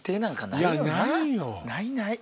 ないよ。